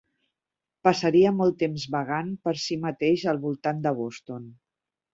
Passaria molt temps vagant per si mateix al voltant de Boston.